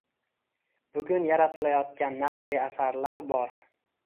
Bugun yaratilayotgan nasriy asarlar bor.